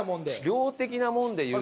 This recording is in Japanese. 量的なもんでいうと。